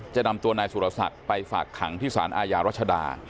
จะนำตัวนายสุรศักดิ์ไปฝากขังที่สารอาญารัชดา